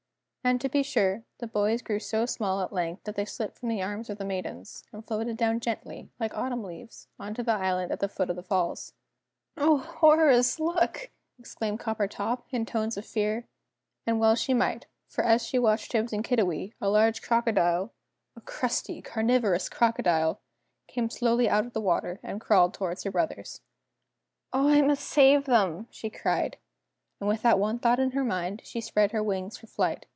And to be sure, the boys grew so small at length that they slipped from the arms of the Maidens, and floated down gently, like autumn leaves, on to the island at the foot of the falls. "Oh, horrors! Look!" exclaimed Coppertop, in tones of fear; and well she might, for as she watched Tibbs and Kiddiwee, a large crocodile a crusty, carnivorous crocodile came slowly out of the water and crawled towards her brothers. "Oh, I must save them!" she cried, and with that one thought in her mind, she spread her wings for flight.